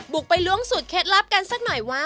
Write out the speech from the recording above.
บุกไปล้วงสูตรเคล็ดลับกันสักหน่อยว่า